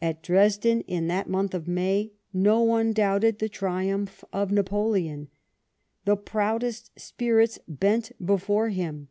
At Dresden, in that month of May, no one doubted the triumph of Napoleon. The proudest spirits bent before him.